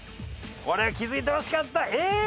これ気づいてほしかった！